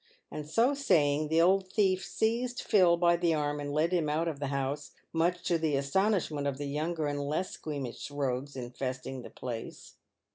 And so saying, the old thief seized Phil by the arm and led him out of the house — much to the astonishment of the younger and less squeamish rogues infesting the place.